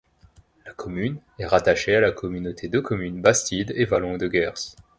La commune est rattachée à la communauté de communes bastides et vallons de Gers.